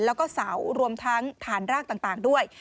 แล้วก็เสารวมทั้งฐานรากต่างด้วย